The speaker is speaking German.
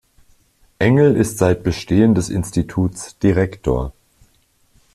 Engel ist seit Bestehen des Instituts Direktor.